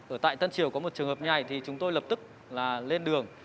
ở tại tân triều có một trường hợp như này thì chúng tôi lập tức là lên đường